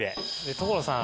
所さん